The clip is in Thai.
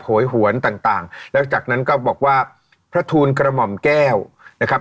โหยหวนต่างต่างแล้วจากนั้นก็บอกว่าพระทูลกระหม่อมแก้วนะครับ